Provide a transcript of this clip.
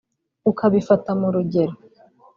ukabifata mu rugero